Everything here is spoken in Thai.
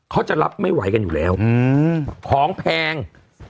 เขาจะรับไม่ไหวกันอยู่แล้วของแพง